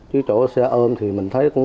chứ chỗ xe ôm thì mình thấy